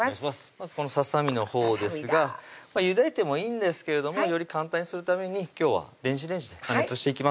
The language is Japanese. まずこのささみのほうですが湯がいてもいいんですけれどもより簡単にするために今日は電子レンジで加熱していきます